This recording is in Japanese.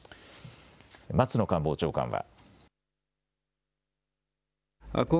松野官房長官は。